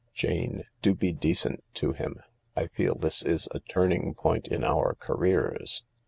Jane, do be decent to him — I feel this is a turning point in our careers.